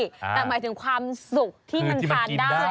แต่หมายถึงความสุขที่มันทานได้